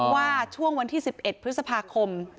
ว่าช่วงวันที่๑๑พฤษภาคม